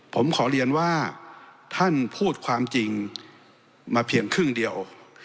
ผมขอเรียนว่าท่านพูดความจริงมาเพียงครึ่งเดียว